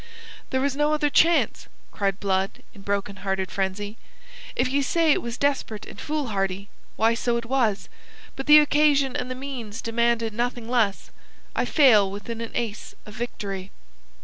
"There was no other chance!" cried Blood, in broken hearted frenzy. "If ye say it was desperate and foolhardy, why, so it was; but the occasion and the means demanded nothing less. I fail within an ace of victory."